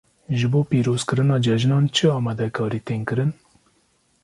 Ji bo pîrozkirina cejnan çi amadekarî tên kirin?